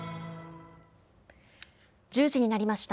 １０時になりました。